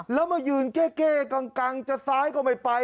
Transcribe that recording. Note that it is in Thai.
แล้วมายืนเก้กังจะซ้ายก็ไม่ไป